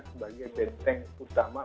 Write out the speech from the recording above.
sebagai benteng utama